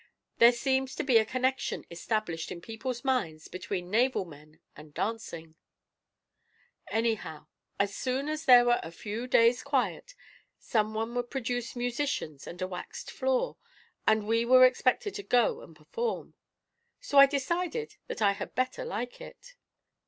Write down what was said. There seems to be a connection established in people's minds between naval men and dancing; anyhow, as soon as there were a few days' quiet, someone would produce musicians and a waxed floor, and we were expected to go and perform. So I decided that I had better like it."